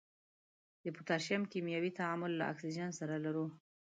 د پوتاشیم کیمیاوي تعامل له اکسیجن سره لرو.